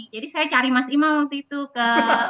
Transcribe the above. jadi saya cari mas imam waktu itu ke